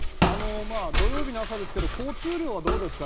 土曜日の朝ですけど交通量はどうですか？